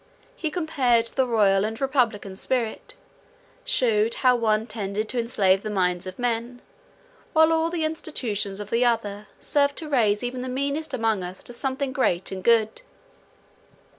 He compared the royal and republican spirit; shewed how the one tended to enslave the minds of men; while all the institutions of the other served to raise even the meanest among us to something great and good.